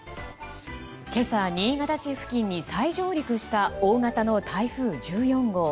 今朝、新潟市付近に再上陸した大型の台風１４号。